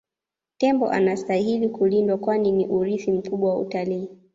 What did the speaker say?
tembo anastahili kulindwa kwani ni urithi mkubwa wa utalii